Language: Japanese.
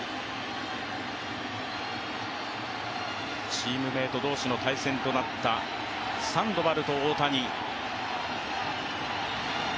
チームメート同士の対戦となったサンドバルと大谷。